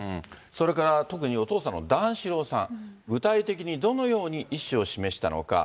それから特にお父様の段四郎さん、具体的にどのように意思を示したのか。